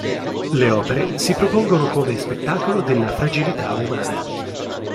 Le opere “si propongono come spettacolo della fragilità umana.